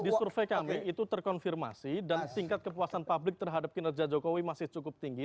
di survei kami itu terkonfirmasi dan tingkat kepuasan publik terhadap kinerja jokowi masih cukup tinggi